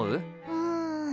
うん。